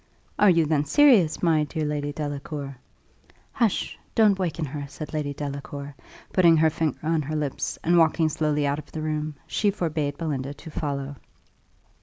"Are you then serious, my dear Lady Delacour?" "Hush! Don't waken her," said Lady Delacour, putting her finger on her lips; and walking slowly out of the room, she forbade Belinda to follow.